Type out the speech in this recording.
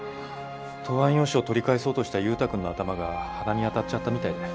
答案用紙を取り返そうとした優太くんの頭が鼻に当たっちゃったみたいで。